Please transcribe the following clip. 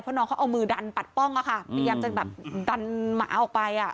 เพราะน้องเขาเอามือดันปัดป้องอะค่ะพยายามจะแบบดันหมาออกไปอ่ะ